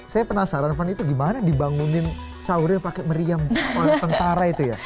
saya penasaran fann itu gimana dibangunin sahurnya pakai meriam oleh tentara itu ya